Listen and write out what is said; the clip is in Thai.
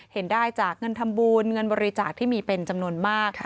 เห็นได้จากเงินทำบุญเงินบริจาคที่มีเป็นจำนวนมากค่ะ